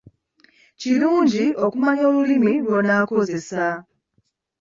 Kirungi okumanya olulimi lw'onaakozesa.